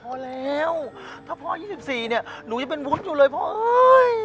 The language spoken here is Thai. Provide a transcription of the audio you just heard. พอแล้วถ้าพ่อ๒๔เนี่ยหนูยังเป็นวุฒิอยู่เลยพ่อเอ้ย